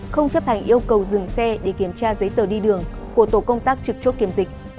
không chấp hành yêu cầu dừng xe để kiểm tra giấy tờ đi đường của tổ công tác trực chốt kiểm dịch